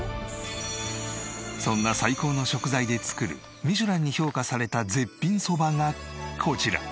そんな最高の食材で作るミシュランに評価された絶品そばがこちら。